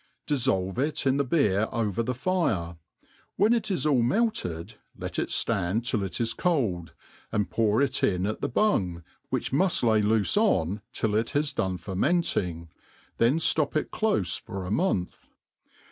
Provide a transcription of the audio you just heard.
Oiflblve it in the beer over, the fire : when it is all melted, let it ftand (ill it is cold, and pi^nxr it in at the bung,, which, aiuft > lay loofe on till it bas done fisr« menting^ then ftop it clofe for a month.